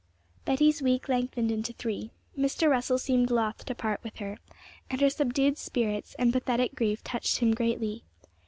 Betty's week lengthened into three. Mr. Russell seemed loth to part with her, and her subdued spirits and pathetic grief touched him greatly.